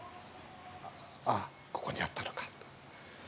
ああここにあったのかと。